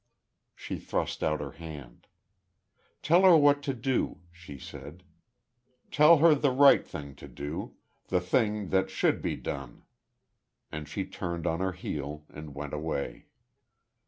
She thrust out her hand. "Tell her what to do," she said. "Tell her the right thing to do the thing that should be done." And she turned on her heel, and went away.